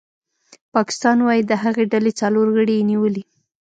پاکستان وايي د هغې ډلې څلور غړي یې نیولي